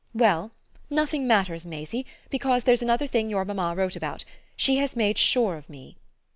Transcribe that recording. "Well, nothing matters, Maisie, because there's another thing your mamma wrote about. She has made sure of me."